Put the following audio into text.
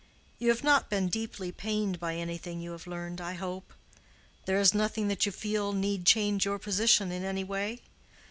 You have not been deeply pained by anything you have learned, I hope? There is nothing that you feel need change your position in any way?